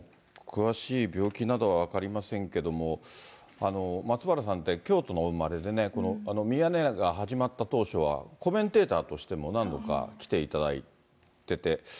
詳しい病気などは分かりませんけども、松原さんって京都のお生まれでね、ミヤネ屋が始まった当初は、コメンテーターとしても何度か来ていただいてて。